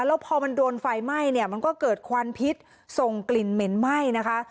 แล้วพอมันโดนไฟไหม้เนี่ยมันก็เกิดควันพิษส่งกลิ่นเหม็นไหม้นะคะ